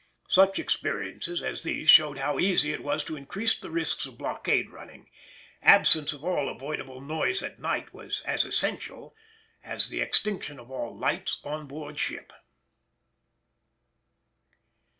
Such experiences as these showed how easy it was to increase the risks of blockade running; absence of all avoidable noise at night was as essential as the extinction of all lights on board ship.